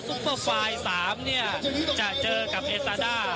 ทรูปปลายสามเนี้ยจะเจอกับเอสตาด้า